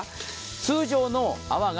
通常の泡が